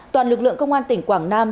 toàn lực lượng công an tỉnh quảng nam